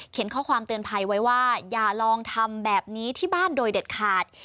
ข้อความเตือนภัยไว้ว่าอย่าลองทำแบบนี้ที่บ้านโดยเด็ดขาด